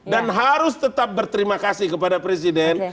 dan harus tetap berterima kasih kepada presiden